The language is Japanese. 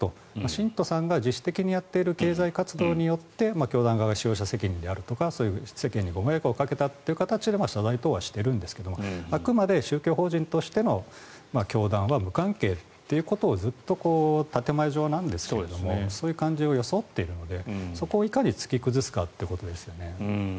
信徒さんが自主的にやっている経済活動によって教団側は使用者責任とかそういう世間にご迷惑をかけたという形で謝罪はしているんですがあくまで宗教法人としての教団は無関係ということをずっと建前上なんですがそういう感じを装っているのでそこをいかに突き崩すかということですよね。